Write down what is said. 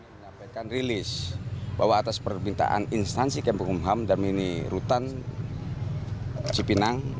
kami menampilkan rilis bahwa atas permintaan instansi kempegumham dan mini rutan cipinang